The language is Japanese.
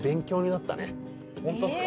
ホントっすか？